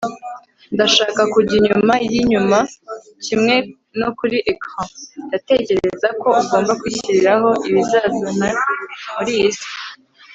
ndashaka kujya inyuma yinyuma kimwe no kuri ecran. ndatekereza ko ugomba kwishyiriraho ibizazane muri iyi si